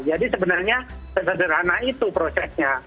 jadi sebenarnya tersederhana itu prosesnya